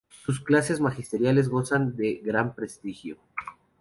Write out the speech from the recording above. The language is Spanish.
Sus clases magistrales gozan de gran prestigio.